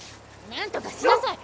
何とかしなさい！